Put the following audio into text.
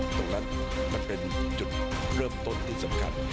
ตรงนั้นมันเป็นจุดเริ่มต้นเป็นสำคัญ